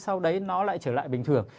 sau đấy nó lại trở lại bình thường